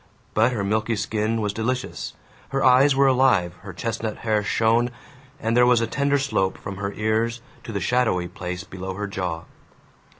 But her milky skin was delicious, her eyes were alive, her chestnut hair shone, and there was a tender slope from her ears to the shadowy place below her jaw.